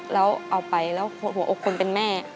แล้วเอาไปแล้วหัวอกคนเป็นแม่